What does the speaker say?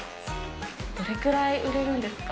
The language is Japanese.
どれくらい売れるんですか？